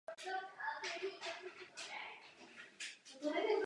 Po návratu do Švédska se věnovala charitativní činnosti.